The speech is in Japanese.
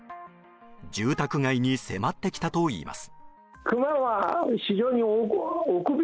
住宅街に迫ってきたといいます。